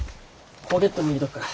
ポケットに入れとくから。